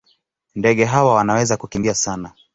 Ndege hawa wanaweza kukimbia sana.